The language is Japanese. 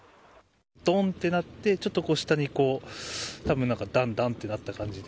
どんてなって、ちょっと下にこう、たぶんなんか、だんだんってなった感じで。